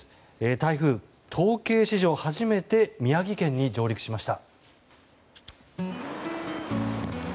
台風が統計史上初めて宮城県に上陸しました。